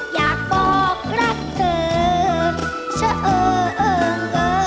อยากบอกรักเธอเฉิน